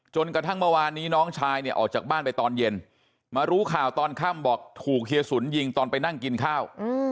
จนกระทั่งเมื่อวานนี้น้องชายเนี่ยออกจากบ้านไปตอนเย็นมารู้ข่าวตอนค่ำบอกถูกเฮียสุนยิงตอนไปนั่งกินข้าว